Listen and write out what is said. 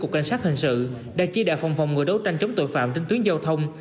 cục cảnh sát hình sự đã chia đạo phòng phòng ngừa đấu tranh chống tội phạm trên tuyến giao thông